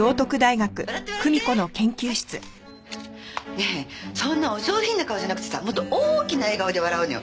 ねえそんなお上品な顔じゃなくてさもっと大きな笑顔で笑うのよ。